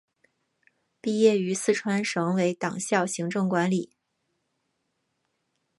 毕业于四川省委党校行政管理。